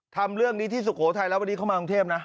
ทำเรื่องนี้ที่สุโขทัยแล้ววันนี้เข้ามากรุงเทพนะ